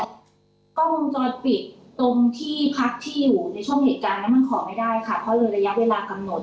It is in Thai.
กล้องวงจรปิดตรงที่พักที่อยู่ในช่วงเหตุการณ์นั้นมันขอไม่ได้ค่ะเพราะในระยะเวลากำหนด